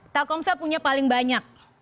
telkomsel punya paling banyak